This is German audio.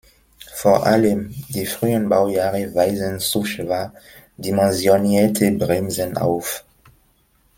Vor allem die frühen Baujahre weisen zu schwach dimensionierte Bremsen auf.